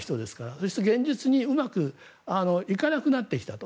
そして現実にうまくいかなくなってきたと。